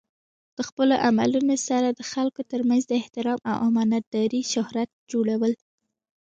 د خپلو عملونو سره د خلکو ترمنځ د احترام او امانت دارۍ شهرت جوړول.